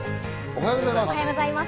おはようございます。